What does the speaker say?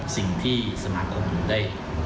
สิ่งที่สมาคมได้